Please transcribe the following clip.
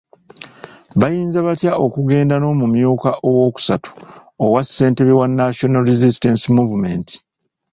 Bayinza batya okugenda n’omumyuka owookusatu owa ssentebe wa National Resistance Movement?